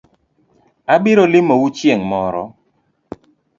Abiro limo u chieng’ moro